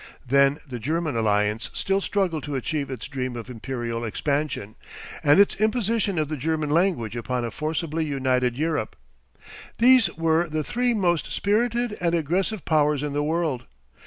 Then the German alliance still struggled to achieve its dream of imperial expansion, and its imposition of the German language upon a forcibly united Europe. These were the three most spirited and aggressive powers in the world.